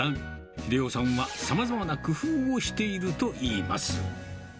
秀夫さんは、さまざまな工夫をしているといいます。